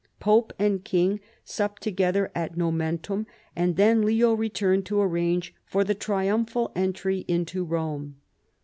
Pope and king supped together at Nomentum, and then Leo returned to arrange for the triumphal entry into Rome.